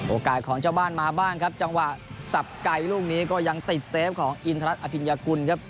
โอกาสของเจ้าบ้านมาบ้างครับจังหวะสับไก่ลูกนี้ก็ยังติดเซฟของอินทรัศอภิญญากุลครับ